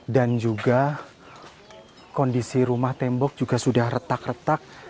dan juga kondisi rumah tembok juga sudah retak retak